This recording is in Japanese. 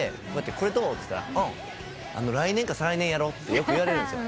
「これどう？」っつったら「うん。来年か再来年やろう」とよく言われるんですよ。